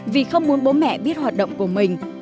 vì không muốn bố mẹ biết hoạt động của mình